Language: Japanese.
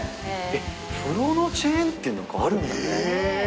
風呂のチェーン店なんかあるんだね。